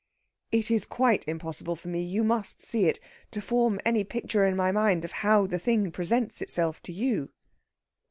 "It is quite impossible for me you must see it to form any picture in my mind of how the thing presents itself to you."